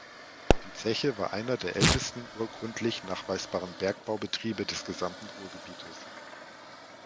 Die Zeche war einer der ältesten urkundlich nachweisbaren Bergbaubetriebe des gesamten Ruhrgebietes.